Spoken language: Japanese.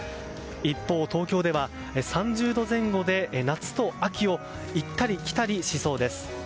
一方、東京では３０度前後で夏と秋を行ったり来たりしそうです。